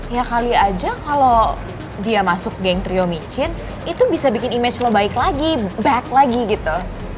ya kali aja kalau dia masuk geng trio michain itu bisa bikin image lo baik lagi back lagi gitu